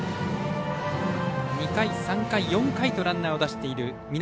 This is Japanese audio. ２回、３回、４回とランナーを出している南